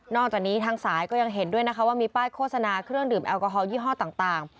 จากนี้ทางสายก็ยังเห็นด้วยนะคะว่ามีป้ายโฆษณาเครื่องดื่มแอลกอฮอลยี่ห้อต่าง